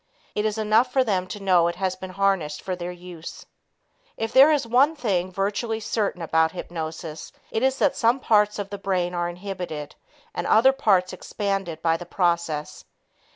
It is enough for them to know it has been harnessed for their use. If there is one thing virtually certain about hypnosis it is that some parts of the brain are inhibited and other parts expanded by the process.